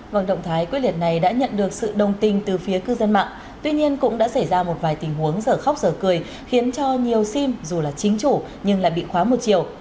vâng động thái quyết liệt này đã nhận được sự đồng tình từ phía cư dân mạng tuy nhiên cũng đã xảy ra một vài tình huống giờ khóc giờ cười khiến cho nhiều sim dù là chính chủ nhưng lại bị khóa một chiều